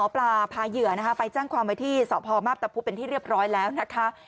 พาเหยื่อไปจ้างความวัยที่สภมัพตะพุทธเป็นที่เรียบร้อยแล้วนะคะ